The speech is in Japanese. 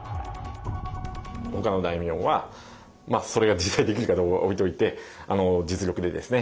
ほかの大名はそれが実際できるかどうかは置いといて実力でですね